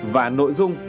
và nội dung